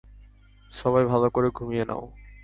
সবাই ভালো করে ঘুমিয়ে নাও।